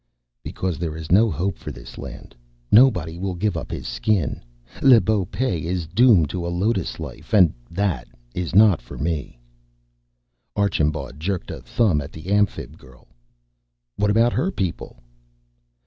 "Because there is no hope for this land. Nobody will give up his Skin. Le Beau Pays is doomed to a lotus life. And that is not for me." Archambaud jerked a thumb at the Amphib girl. "What about her people?"